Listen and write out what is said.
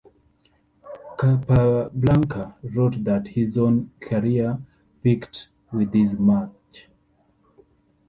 Capablanca wrote that his own career peaked with this match.